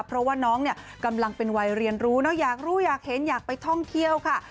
เพราะว่าน้องเนี่ยกำลังเป็นวัยเรียนรู้เนอะอยากรู้อยากเห็นอยากไปท่องเที่ยวค่ะ